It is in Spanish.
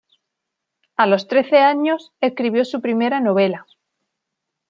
A los trece años escribió su primera novela.